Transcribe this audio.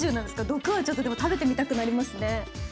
毒はちょっとでも食べてみたくなりますね。